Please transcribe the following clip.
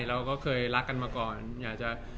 เราก็เคยรักกันมาก่อนอยากจะ